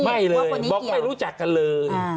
ไม่เลยบอกไม่รู้จักกันเลย